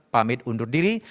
pamit undur diri